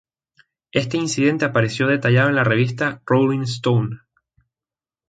Este incidente apareció detallado en la revista "Rolling Stone".